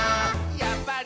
やっぱり！」